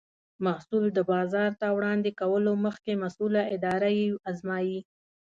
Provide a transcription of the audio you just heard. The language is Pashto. محصول د بازار ته وړاندې کولو مخکې مسؤله اداره یې ازمایي.